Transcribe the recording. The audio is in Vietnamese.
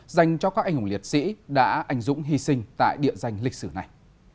dành cho các anh hùng liệt sĩ đã anh dũng hy sinh tại địa danh lịch sử này